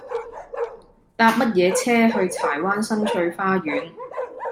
搭乜嘢車去柴灣新翠花園